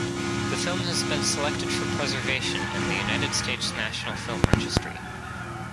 The film has been selected for preservation in the United States National Film Registry.